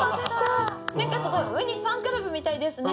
なんかすごいうにファンクラブみたいですね。